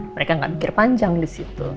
mereka nggak mikir panjang di situ